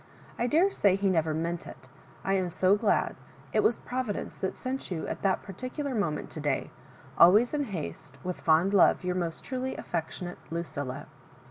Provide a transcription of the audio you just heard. I daresay he never meant it. I am so glad. It was Providence that sent you at that particular moment to day. Always in haste, with fond love, your most truly affectionate Lucilla."